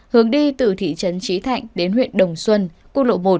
hướng đi từ thị trấn trí thạnh đến huyện đồng xuân quốc lộ một